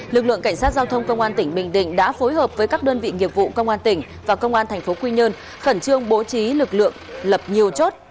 lực lượng cảnh sát giao thông công an tỉnh bình định đã phối hợp với các đơn vị nghiệp vụ công an tỉnh và công an tp quy nhơn khẩn trương bố trí lực lượng lập nhiều chốt